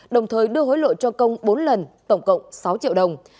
đồng thời đưa hối lộ cho công bốn lần tổng cộng sáu triệu đồng